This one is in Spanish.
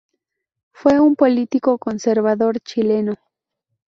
Fue un político conservador chileno.